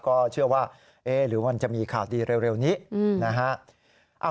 ก็เชื่อว่าเอ๊ะหรือมันจะมีข่าวดีเร็วนี้นะฮะ